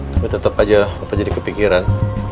tapi tetap aja apa jadi kepikiran